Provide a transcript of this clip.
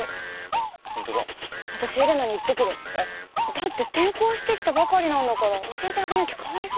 だって転校してきたばかりなんだから教えてあげなきゃかわいそうでしょう。